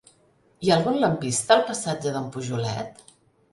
Hi ha algun lampista al passatge d'en Pujolet?